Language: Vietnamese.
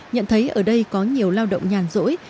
nhận thấy ở đây có nhiều lao động nhàn rỗi